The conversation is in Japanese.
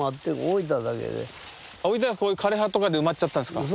置いたらこういう枯れ葉とかで埋まっちゃったんすか？